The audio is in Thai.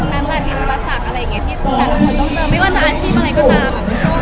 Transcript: และทุกคนไม่ว่าจะอาชีพอะไรก็ตาม